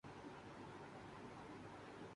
اورجنرل کیانی نے پیر جمالیے تھے۔